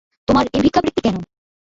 তোমার এ ভিক্ষাবৃত্তি কেন।